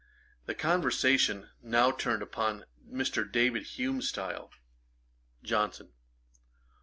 The conversation now turned upon Mr. David Hume's style. JOHNSON.